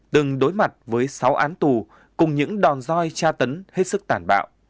đừng đối mặt với sáu án tù cùng những đòn roi tra tấn hết sức tàn bạo